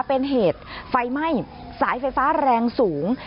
เป็นเหตุไฟไหม้สายไฟฟ้าแรงสูง